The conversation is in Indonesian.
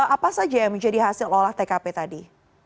apa saja yang menjadi hasil olah tkp tadi